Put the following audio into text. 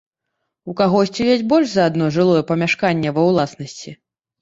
У кагосьці ёсць больш за адно жылое памяшканне ва ўласнасці.